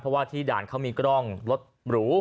เพราะว่าที่ด่านเขามีกล้องรถหรู